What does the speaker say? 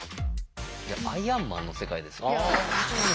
「アイアンマン」の世界ですよね。